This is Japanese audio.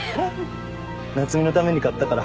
夏海のために買ったから。